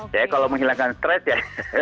jadi kalau menghilangkan stres ya